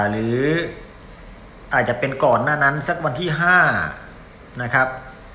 หรืออาจจะเป็นก่อนหน้านั้นสักวันที่๕นะครับ